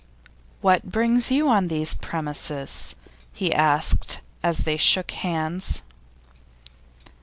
'What brings you on these premises?' he asked, as they shook hands.